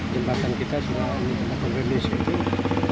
jembatan kita semua menggunakan berisik itu